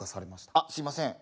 あすいません。